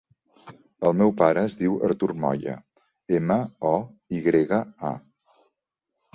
El meu pare es diu Artur Moya: ema, o, i grega, a.